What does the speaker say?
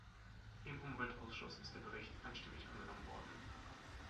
Im Umweltausschuss ist der Bericht einstimmig angenommen worden.